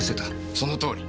そのとおり。